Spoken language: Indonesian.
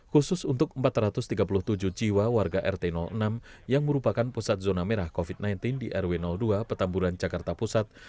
khusus untuk empat ratus tiga puluh tujuh jiwa warga rt enam yang merupakan pusat zona merah covid sembilan belas di rw dua petamburan jakarta pusat